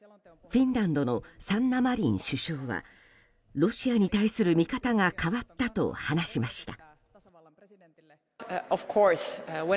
フィンランドのサンナ・マリン首相はロシアに対する見方が変わったと話しました。